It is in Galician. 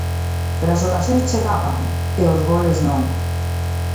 Pero as ocasións chegaban e os goles non.